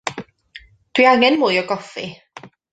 Dw i angen mwy o goffi.